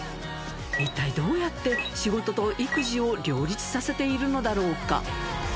一体どうやって仕事と育児を両立させているのだろうか。